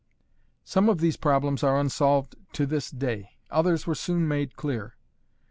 Some of these problems are unsolved to this day; others were soon made clear.